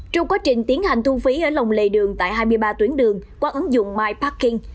trong quá trình tiến hành thu phí ở lòng lề đường tại hai mươi ba tuyến đường qua ứng dụng myparking